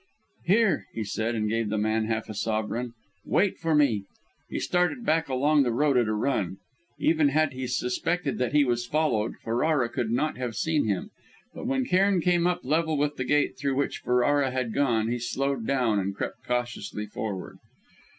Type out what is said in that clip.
"Here," he said, and gave the man half a sovereign, "wait for me." He started back along the road at a run. Even had he suspected that he was followed, Ferrara could not have seen him. But when Cairn came up level with the gate through which Ferrara had gone, he slowed down and crept cautiously forward.